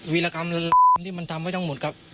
วิรกรรมที่มันทำไว้ทั้งหมดครับ